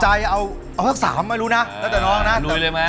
ใจเอาเอาสัก๓ไม่รู้นะตั้งแต่น้องนะ